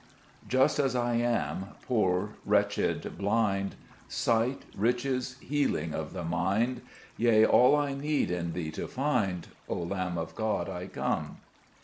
4 Just as I am, poor, wretched, blind ; Sight, riches, healing of the mind, Yea, all I need, in Thee to find, O Lamb of God, I come.